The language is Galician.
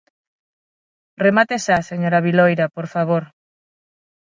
Remate xa, señora Viloira, por favor.